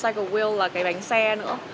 và cái motorcycle wheel là cái bánh xe nữa